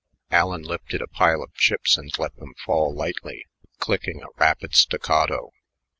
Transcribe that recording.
Allen lifted a pile of chips and let them fall lightly, clicking a rapid staccato.